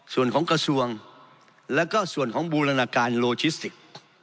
ส่วนของกระทรวงแล้วก็ส่วนของบูรณาการโลจิสติก